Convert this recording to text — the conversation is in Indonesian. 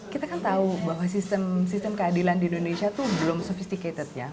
kita kan tahu bahwa sistem keadilan di indonesia itu belum sophisticated ya